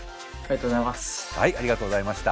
ありがとうございます。